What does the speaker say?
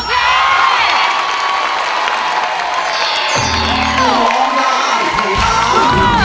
ดวงร้อนให้ร้าน